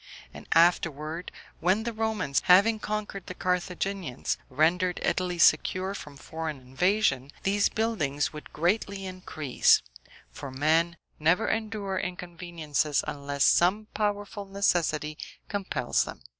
And afterward, when the Romans, having conquered the Carthaginians, rendered Italy secure from foreign invasion, these buildings would greatly increase; for men never endure inconveniences unless some powerful necessity compels them.